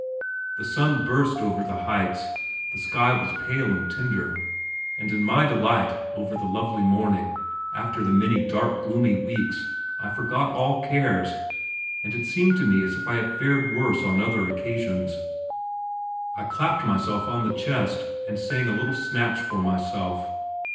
The sun burst over the heights, the sky was pale and tender, and in my delight over the lovely morning, after the many dark gloomy weeks, I forgot all cares, and it seemed to me as if I had fared worse on other occasions. I clapped myself on the chest and sang a little snatch for myself.